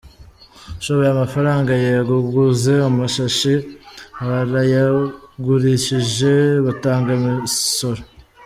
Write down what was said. Usohoye amafaranga yego, uguze amashashi, barayagurishije, batanga imisoro.